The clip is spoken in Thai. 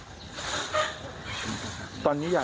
คุณพ่อสะกลบอกว่าลูกสาวเนี่ยหมดค่าทักษาไปกว่าสองนึงนะครับ